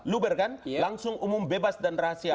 luber kan langsung umum bebas dan rahasia